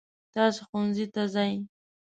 تاسې ښوونځي ته ځئ.